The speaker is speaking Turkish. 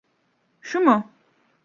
Şu mu?